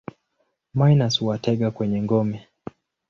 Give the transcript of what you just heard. Minus huwatega kwenye ngome.